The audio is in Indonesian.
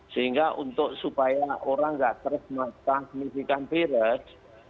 sehingga untuk supaya orang tidak terus men transmisikan virus